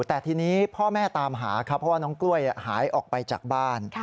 แต่ทีนี้พ่อแม่ตามหาครับเพราะว่าน้องกล้วยหายออกไปจากบ้าน